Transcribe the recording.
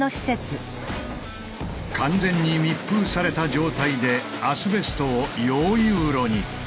完全に密封された状態でアスベストを溶融炉に。